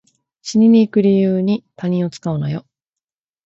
死にに行く理由に他人を使うなよ